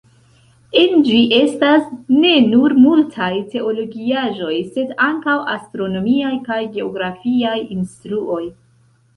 En ĝi estas ne nur multaj teologiaĵoj, sed ankaŭ astronomiaj kaj geografiaj instruoj.